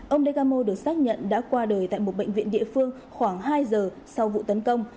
ông degamo được xác nhận đã qua đời tại một bệnh viện địa phương khoảng hai giờ sau vụ tấn công